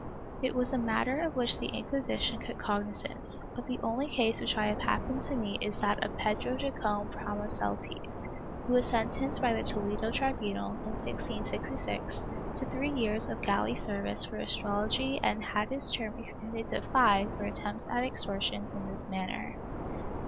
It was a matter of which the Inquisition took cognizance, but the only case which I have happened to meet is that of Pedro Jacome Pramo seltes, who was sentenced by the Toledo tribunal, in 1666, to three years of galley service for astrology and had his term extended to five for attempts at extortion in this manner.